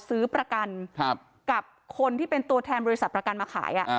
ซื้อประกันกับคนที่เป็นตัวแทนบริษัทประกันมาขาย